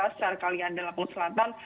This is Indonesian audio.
setelah kali yang ada di lampung selatan